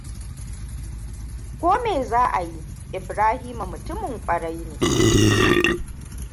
Ko me za a yi Ibrahima mutumin ƙwarai ne.